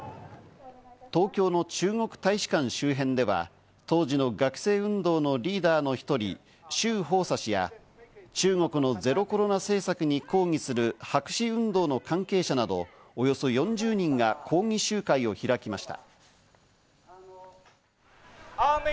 東京の中国大使館周辺では当時の学生運動のリーダーの１人、シュウ・ホウサ氏や、中国のゼロコロナ政策に抗議する白紙運動の関係者など、およそ４０人が抗議集会を開きました。